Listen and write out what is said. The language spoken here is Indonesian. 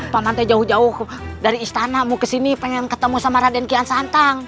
pak mantai jauh jauh dari istana mau kesini pengen ketemu sama raden kian santang